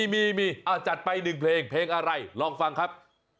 มีจัดไป๑เพลงเพลงอะไรลองฟังครับ